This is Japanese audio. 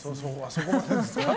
そこまでですか？